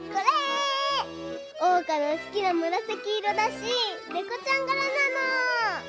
おうかのすきなむらさきいろだしねこちゃんがらなの！